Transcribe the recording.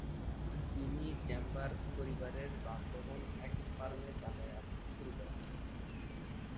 তিনি চেম্বার্স পরিবারের বাসভবন হ্যাগস ফার্মে যাতায়াত শুরু করেন।